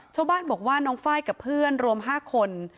ชาวบ้านบอกว่าน้องไฟล์กับเพื่อนรวม๕คน